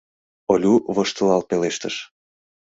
— Олю воштылал пелештыш.